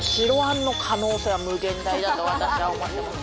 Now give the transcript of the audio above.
やっぱだと私は思ってます。